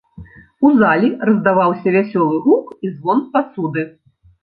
У залі раздаваўся вясёлы гук і звон пасуды.